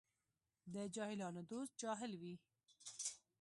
د جاهلانو دوست جاهل وي.